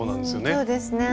そうですね。